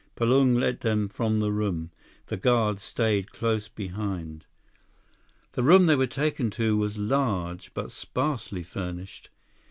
Palung led them from the room. The guards stayed close behind. The room they were taken to was large, but sparsely furnished.